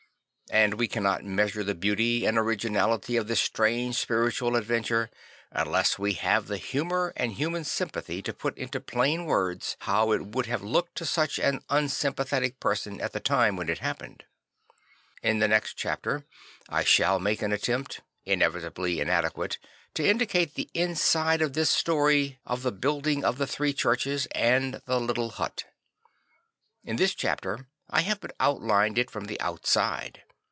And we cannot measure the beauty and originality of this strange spiritual adventure, unless we have the humour and human sympathy to put into plain words how it would have looked to such an unsympathetic person at the time when it happened. In the next chapter I shall make an attempt, inevit ably inadequate, to indicate the inside of this story of the building of the three churches and the little hut. In this chapter I have but out lined it from the outside.